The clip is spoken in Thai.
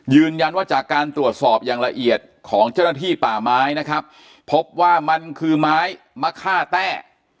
ยืนยันว่าจากการตรวจสอบอย่างละเอียดของเจ้าหน้าที่ป่าไม้นะครับพบว่ามันคือไม้มะค่าแต้